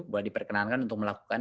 boleh diperkenankan untuk melakukan